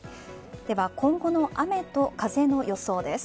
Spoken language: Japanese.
では、今後の雨と風の予想です。